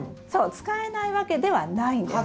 使えないわけではないんです。